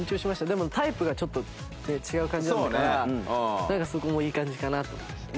でもタイプがちょっと違う感じだったからなんかそこもいい感じかなと思いました。